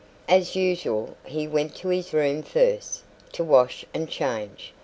As usual, he went to his room first, to wash and change.